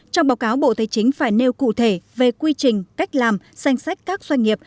trong báo cáo bộ tây chính phải nêu cụ thể về quy trình cách làm danh sách các doanh nghiệp